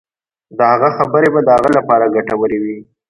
د هغه خبرې به د هغه لپاره ګټورې وي.